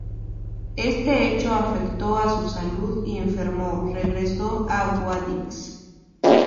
Este hecho afectó a su salud, y enfermo regresó a Guadix.